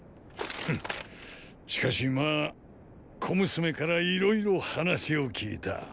フッしかしまァ小娘からいろいろ話を聞いた。